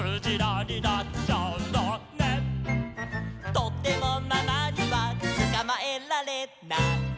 「とてもママにはつかまえられない」